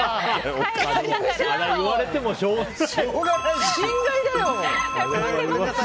言われてもしょうがない。